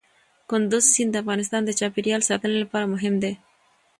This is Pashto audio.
کندز سیند د افغانستان د چاپیریال ساتنې لپاره مهم دی.